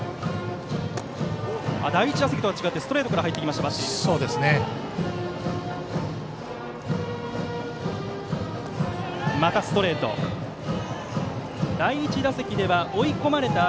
第１打席とは違って、バッテリーストレートから入ってきました。